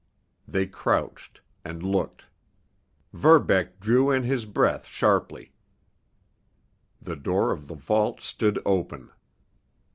They crouched—and looked. Verbeck drew in his breath sharply. The door of the vault stood open.